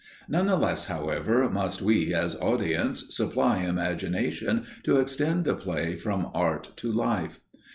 None the less, however, must we, as audience, supply imagination to extend the play from art to life.